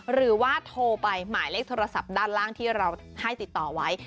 หรือว่าโทรไปหมายเลขโทรศัพท์ด้านล่างที่เราให้ติดต่อไว้